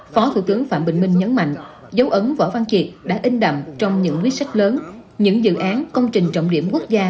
phó thủ tướng phạm bình minh nhấn mạnh dấu ấn võ văn kiệt đã in đậm trong những quyết sách lớn những dự án công trình trọng điểm quốc gia